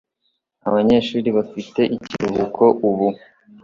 Abanyeshuri bafite ikiruhuko ubu.